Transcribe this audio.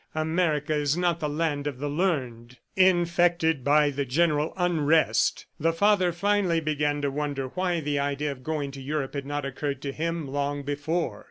America is not the land of the learned. Infected by the general unrest, the father finally began to wonder why the idea of going to Europe had not occurred to him long before.